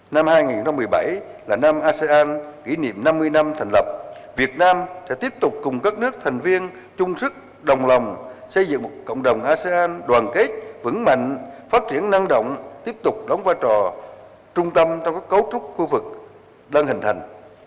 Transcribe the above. năm hai nghìn một mươi bảy là năm asean kỷ niệm năm mươi năm thành lập việt nam sẽ tiếp tục cùng các nước thành viên chung sức đồng lòng xây dựng một cộng đồng asean đoàn kết vững mạnh phát triển năng động tiếp tục đóng vai trò trung tâm trong các cấu trúc khu vực đang hình thành